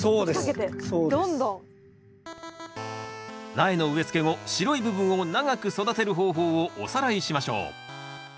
苗の植え付け後白い部分を長く育てる方法をおさらいしましょう。